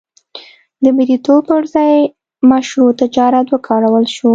د مریتوب پر ځای مشروع تجارت وکارول شو.